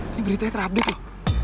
ini beritanya terupdate loh